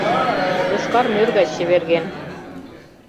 Йошкар мӧр гай чеверген;